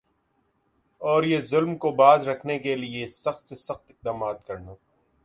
اور یِہ ظالم کو باز رکھنا کا لئے سخت سے سخت اقدامات کرنا